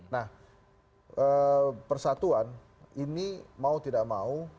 nah persatuan ini mau tidak mau